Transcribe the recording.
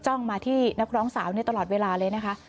มาที่นักร้องสาวตลอดเวลาเลยนะคะ